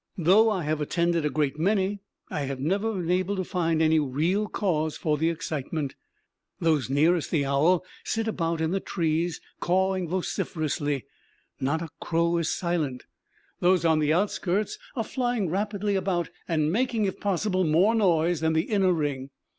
Though I have attended a great many, I have never been able to find any real cause for the excitement. Those nearest the owl sit about in the trees cawing vociferously; not a crow is silent. Those on the outskirts are flying rapidly about and making, if possible, more noise than the inner ring.